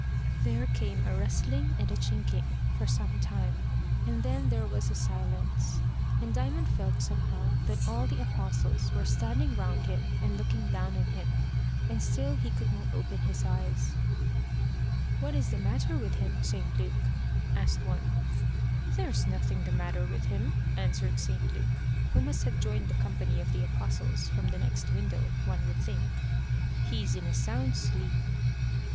There came a rustling, and a chinking, for some time, and then there was a silence, and Diamond felt somehow that all the Apostles were standing round him and looking down on him. And still he could not open his eyes. "What is the matter with him, St. Luke?" asked one. "There's nothing the matter with him," answered St. Luke, who must have joined the company of the Apostles from the next window, one would think. "He's in a sound sleep."